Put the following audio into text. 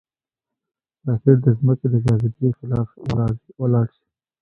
راکټ د ځمکې د جاذبې خلاف ولاړ شي